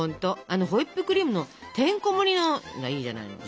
あのホイップクリームのてんこもりのがいいじゃないの。